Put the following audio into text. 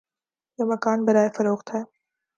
یہ مکان برائے فروخت ہے